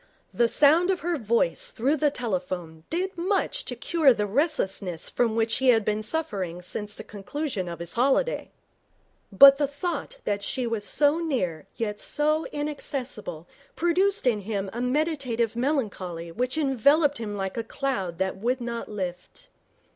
The sound of her voice through the telephone did much to cure the restlessness from which he had been suffering since the conclusion of his holiday. But the thought that she was so near yet so inaccessible produced in him a meditative melancholy which enveloped him like a cloud that would not lift.